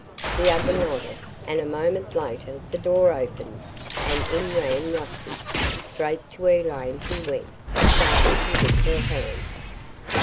The other nodded and a moment later the door opened and in ran Rusty. Straight to Elaine he went, starting to lick her hand.